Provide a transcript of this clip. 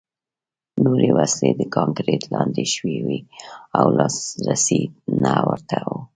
نورې وسلې د کانکریټ لاندې شوې وې او لاسرسی نه ورته و